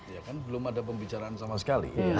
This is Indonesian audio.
ya kan belum ada pembicaraan sama sekali